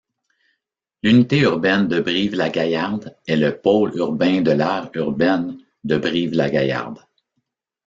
L'unité urbaine de Brive-la-Gaillarde est le pôle urbain de l'aire urbaine de Brive-la-Gaillarde.